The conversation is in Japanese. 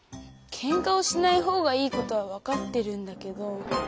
ケンカをしない方がいいことは分かってるんだけど。